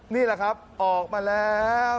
นี่แหละครับออกมาแล้ว